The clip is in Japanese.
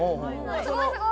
すごいすごい。